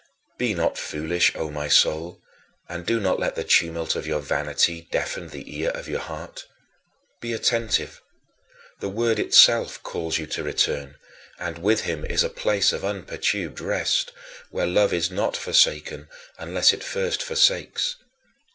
Be not foolish, O my soul, and do not let the tumult of your vanity deafen the ear of your heart. Be attentive. The Word itself calls you to return, and with him is a place of unperturbed rest, where love is not forsaken unless it first forsakes.